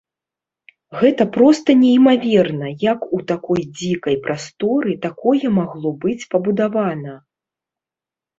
Гэта проста неймаверна, як у такой дзікай прасторы такое магло быць пабудавана.